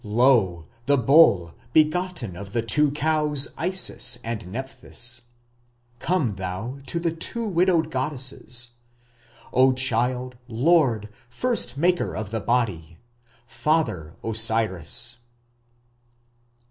"Lo! the Bull, begotten of the two cows, Isis and Nepthys".... "Come thou to the two widowed goddesses".... "Oh child, lord, first maker of the body".... "Father Osiris."